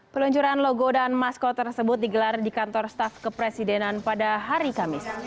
peluncuran logo dan maskot tersebut digelar di kantor staff kepresidenan pada hari kamis